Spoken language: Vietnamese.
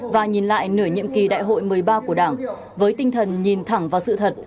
và nhìn lại nửa nhiệm kỳ đại hội một mươi ba của đảng với tinh thần nhìn thẳng vào sự thật